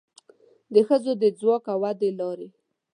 د ښځو د ځواک او ودې لارې